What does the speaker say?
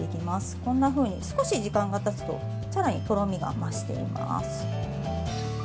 こんな風に、少し時間がたつとさらにとろみが増しています。